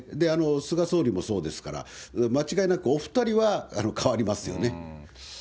菅総理もそうですから、間違いなくお２人は代わりますよね。